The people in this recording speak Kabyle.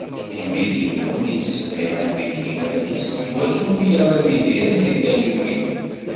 Imi d yiwen yettsemmiḥen deg yiman-is iwakken wiyaḍ ad idiren deg talwit.